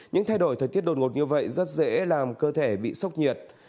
những thay đổi thời tiết đột ngột như vậy rất dễ làm cơ thể bị sốc nhiệt